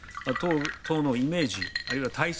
党のイメージあるいは体質